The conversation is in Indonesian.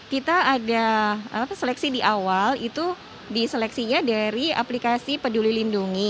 kita ada seleksi di awal itu diseleksinya dari aplikasi peduli lindungi